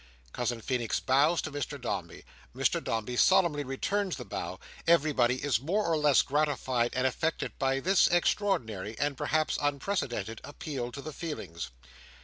Cousin Feenix bows to Mr Dombey; Mr Dombey solemnly returns the bow; everybody is more or less gratified and affected by this extraordinary, and perhaps unprecedented, appeal to the feelings.